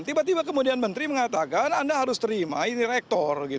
tiba tiba kemudian menteri mengatakan anda harus terima ini rektor